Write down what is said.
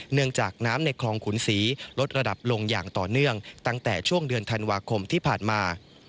เนื่องจากน้ำในคลองขุนศรีลดระดับลงอย่างต่อเนื่องตั้งแต่ช่วงเดือนธันวาคมที่ผ่านมา